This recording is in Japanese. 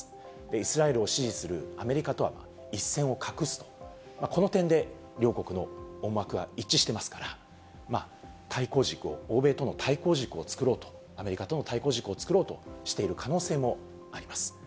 イスラエルを支持するアメリカとは一線を画す、この点で両国の思惑は一致してますから、対抗軸を、欧米との対抗軸を作ろうと、アメリカとの対抗軸を作ろうとしている可能性もあります。